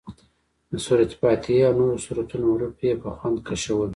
د سورت فاتحې او نورو سورتونو حروف یې په خوند کشول.